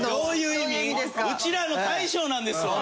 うちらの大将なんですわ。